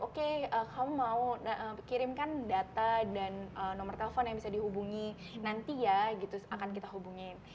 oke kamu mau kirimkan data dan nomor telepon yang bisa dihubungi nanti ya gitu akan kita hubungin